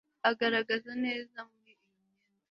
Agaragara neza muri iyo myenda